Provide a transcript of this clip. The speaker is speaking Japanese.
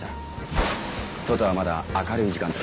外はまだ明るい時間だった。